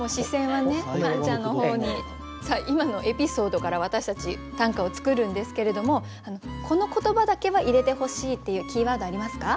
今のエピソードから私たち短歌を作るんですけれどもこの言葉だけは入れてほしいっていうキーワードありますか？